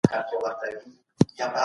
اشاره کول د پام اړولو یوه لار ده.